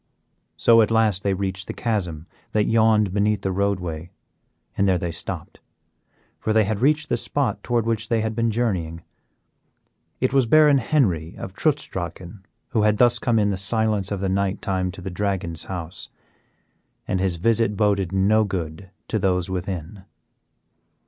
So at last they reached the chasm that yawned beneath the roadway, and there they stopped, for they had reached the spot toward which they had been journeying. It was Baron Henry of Trutz Drachen who had thus come in the silence of the night time to the Dragon's house, and his visit boded no good to those within.